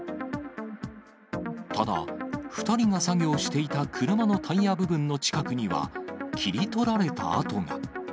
ただ、２人が作業していた車のタイヤ部分の近くには、切り取られた痕が。